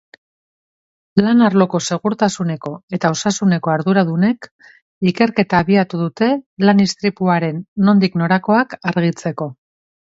Lan arloko segurtasuneko eta osasuneko arduradunek ikerketa abiatu dute lan-istripuaren nondik norakoak argitzeko.